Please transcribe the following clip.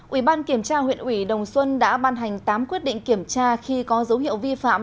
ủy ban kiểm tra huyện ủy đồng xuân đã ban hành tám quyết định kiểm tra khi có dấu hiệu vi phạm